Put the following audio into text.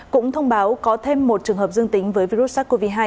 cũng thông báo có thêm một trường hợp dương tính với virus sars cov hai